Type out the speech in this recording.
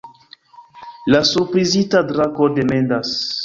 La surprizita drako demandas.